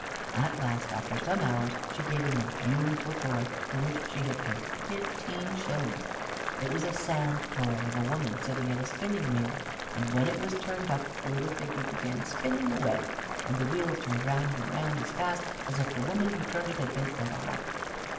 At last, after some hours, she gave him a beautiful toy for which she had paid fifteen shillings. It was a sand toy of a woman sitting at a spinning wheel, and when it was turned up the little figure began spinning away, and the wheel turned round and round as fast as if the woman who turned it had been alive.